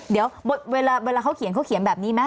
เดี๋ยวเวลาเขาเขียนเขาเขียนแบบนี้ไหม